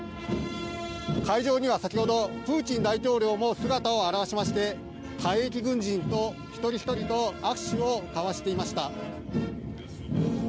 会場には先ほどプーチン大統領も姿を現しまして退役軍人の一人一人と握手を交わしていました。